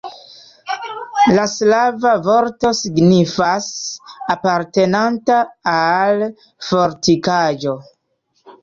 La slava vorto signifas: apartenanta al fortikaĵo.